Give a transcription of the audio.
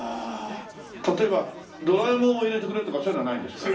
例えばドラえもんを入れてくれるとかそういうのはないんですか。